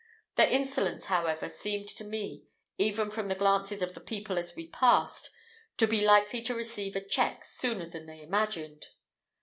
Their insolence, however, seemed to me, even from the glances of the people as we passed, to be likely to receive a check sooner than they imagined.